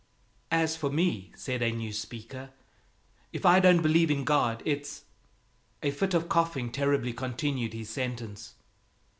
"As for me," said a new speaker, "if I don't believe in God, it's " A fit of coughing terribly continued his sentence.